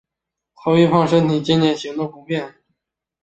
她微胖身躯渐渐行动不便